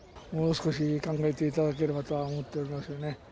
もう少し考えていただければとは思っていますよね。